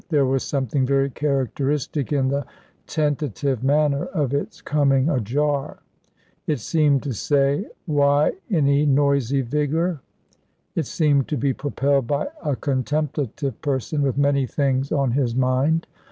There was something very characteristic in the tentative manner of its coming ajar. It seemed to say: "Why any noisy vigour?" It seemed to be propelled by a contemplative person with many things on his mind.